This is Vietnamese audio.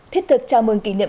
thiết thực chào mừng kỷ niệm